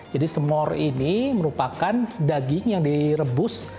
jadi semur ini merupakan daging yang direbus